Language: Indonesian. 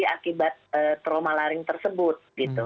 kerusakan yang terjadi akibat trauma laring tersebut